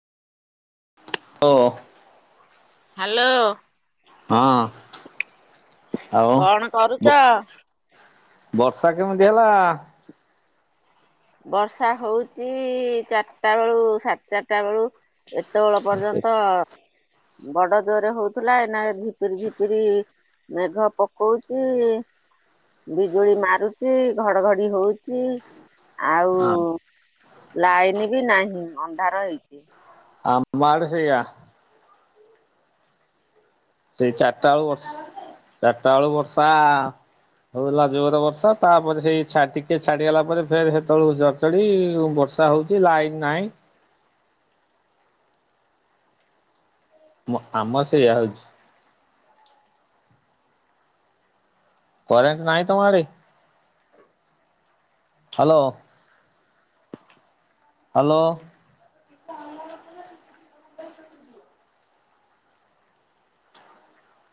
[unintelligible] Hello. ହଁ ଆଉ କଣ କରୁଚ? ବୁ ବର୍ଷା କେମିତି ହେଲା। ବର୍ଷା ହଉଚି ଚାରିଟା ବେଳୁ ସାଢାତେ ଚାରିଟା ବେଳୁ। ଏ ସେତବେଳ ସେ ପର୍ଯ୍ୟନ୍ତ ବଡ ଦୋରେ ହଉଥିଲା ଏ ନା ଝିପିରି ଝିପିରି। ମେଘ ପକଉଛି। ବିଜୁଳି ମାରୁଚି ଘଡଘଡି ହଉଚି। ଆଉ ଲାଇନ୍ ବି ନାହିଁ ଅନ୍ଧାର ହେଇଚି। ଆମ ଆଡେ ସେଇଆ। ସେଇ ଚାରିଟା ବେଳୁ ବର୍ଷା ଚାରିଟା ବେଳୁ ବର୍ଷା ହଉ ହେଲା ଜୋର ବର୍ଷା ତାପରେ ସେଇ ଛା ଟିକେ ଛାଡିଗଲା ପରେ ଫେରେ ସେତେବେଳକୁ ଜ ସେଠି ବର୍ଷା ହଉଚି ଲାଇନ୍ ନାହିଁ। ମୁଁ ଆମ ସେଇଆ ହଉଚି। କରେଣ୍ଟ ନାହିଁ ତମଆଡ଼େ। Hello [unintelligible] hello.